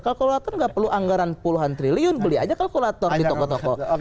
kalkulator nggak perlu anggaran puluhan triliun beli aja kalkulator di toko toko